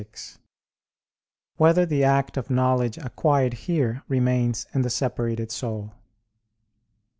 6] Whether the Act of Knowledge Acquired Here Remains in the Separated Soul?